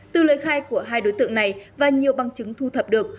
từ lời khai của hai đối tượng này và nhiều bằng chứng thu thập được